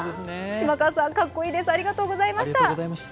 島川さん、かっこいいです、ありがとうございました。